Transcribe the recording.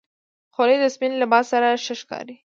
خولۍ د سپین لباس سره ښه ښکاري.